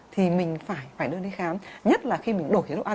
thì mình phải đưa đến khám nhất là khi mình đổ chế độ ăn